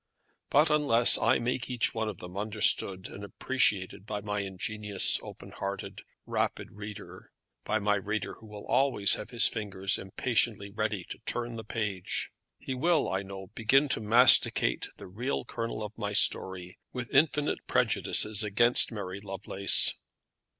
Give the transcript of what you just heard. But unless I make each one of them understood and appreciated by my ingenious, open hearted, rapid reader, by my reader who will always have his fingers impatiently ready to turn the page, he will, I know, begin to masticate the real kernel of my story with infinite prejudices against Mary Lovelace.